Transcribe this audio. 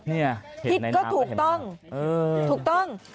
ทิศก็ถูกต้องถูกต้อง